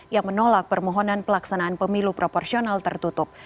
yang menolak permohonan pelaksanaan pemilu proporsional tertutup